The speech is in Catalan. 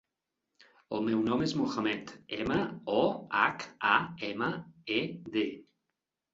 El meu nom és Mohamed: ema, o, hac, a, ema, e, de.